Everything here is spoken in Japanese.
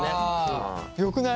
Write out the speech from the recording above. よくない？